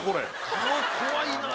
顔怖いなあ。